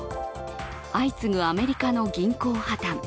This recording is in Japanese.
相次ぐアメリカの銀行破綻。